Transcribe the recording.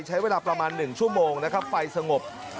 ใช้เวลาประมาณ๑ชั่วโมงนะครับไฟสงบ